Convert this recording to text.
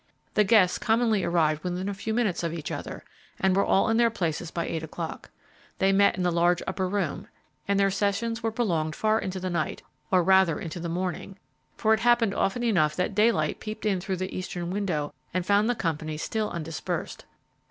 The guests commonly arrived within a few minutes of each other, and were all in their places by eight o'clock. They met in the large upper room, and their sessions were prolonged far into the night, or rather into the morning, for it happened often enough that daylight peeped in through the eastern window and found the company still undispersed.